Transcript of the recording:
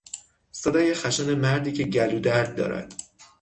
صدای خشن مردی کهگلودرد دارد